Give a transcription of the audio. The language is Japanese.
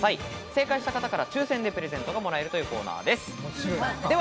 正解した方の中から抽選でプレゼントがもらえるというコーナーです。